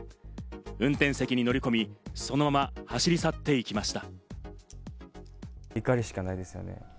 運転席に乗り込み、そのまま走り去っていきました。